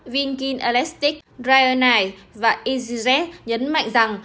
vinkin elastic dryer night và easyjet nhấn mạnh rằng